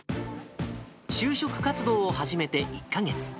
就職活動を始めて１か月。